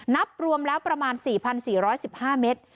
นับรวมแล้วประมาณ๔๔๑๕เมตร